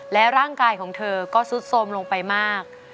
และร่างกายของเธอก็ซุดสมลงไปมาก